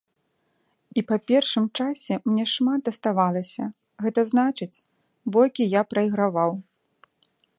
І па першым часе мне шмат даставалася, гэта значыць, бойкі я прайграваў.